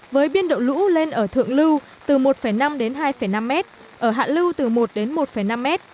với biên độ lũ lên ở thượng lưu từ một năm đến hai năm m ở hạ lưu từ một đến một năm m